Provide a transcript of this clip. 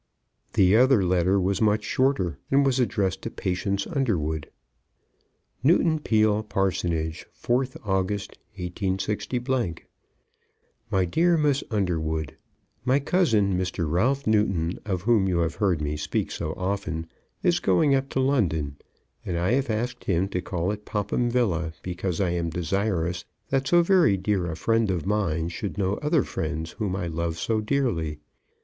The other letter was much shorter, and was addressed to Patience Underwood; Newton Peele Parsonage, 4th August, 186 . MY DEAR MISS UNDERWOOD, My cousin, Mr. Ralph Newton, of whom you have heard me speak so often, is going up to London, and I have asked him to call at Popham Villa, because I am desirous that so very dear a friend of mine should know other friends whom I love so dearly.